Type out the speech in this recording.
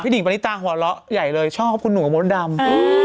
พี่ดิงบริตาหัวเราะใหญ่เลยชอบคุณหนูกับโมดดำ